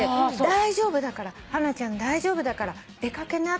「大丈夫だからハナちゃん大丈夫だから出掛けな」